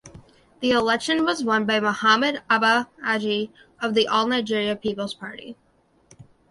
The election was won by Mohammed Abba Aji of the All Nigeria Peoples Party.